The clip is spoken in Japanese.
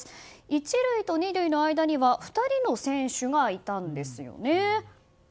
１塁と２塁の間には２人の選手がいたんですよね。